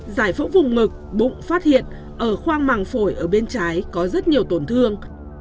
giải phẫu vùng ngực bụng phát hiện ở khoang màng phổi ở bên trái có rất nhiều tổn thương